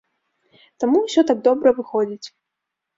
Таму ўсё так добра выходзіць.